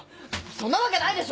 そんなわけないでしょ！